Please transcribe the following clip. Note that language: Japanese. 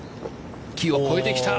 木を越えてきた。